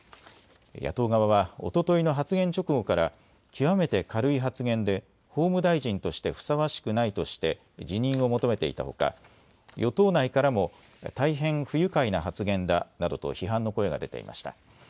野党側はおとといの発言直後から極めて軽い発言で法務大臣としてふさわしくないとして辞任を求めていたほか与党内からも大変不愉快な発言だなどと批判の声が出ていました。